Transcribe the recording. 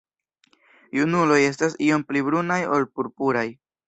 Junuloj estas iom pli brunaj ol purpuraj.